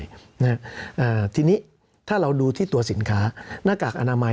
สำหรับกำลังการผลิตหน้ากากอนามัย